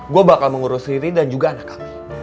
gue bakal mengurus diri dan juga anak kami